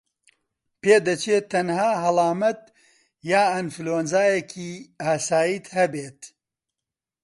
پێدەچێت تەنها هەڵامەت یان ئەنفلەوەنزایەکی ئاساییت هەبێت